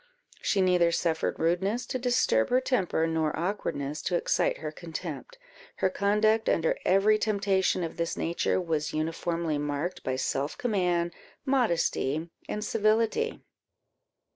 She neither suffered rudeness to disturb her temper, nor awkwardness to excite her contempt; her conduct, under every temptation of this nature, was uniformly marked by self command, modesty, and civility.